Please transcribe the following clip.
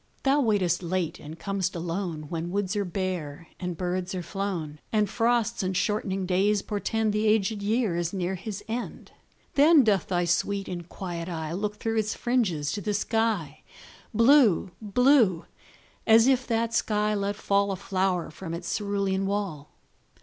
Thou waitest late and com'st alone, When woods are bare and birds are flown, And frosts and shortening days portend The aged year is near his end. Then doth thy sweet and quiet eye Look through its fringes to the sky, Blue blue as if that sky let fall A flower from its cerulean wall.